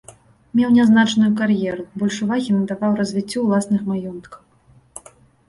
Меў нязначную кар'еру, больш увагі надаваў развіццю ўласных маёнткаў.